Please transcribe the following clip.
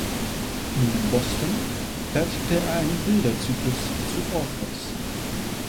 In Boston fertigte er einen Bilderzyklus zu Orpheus.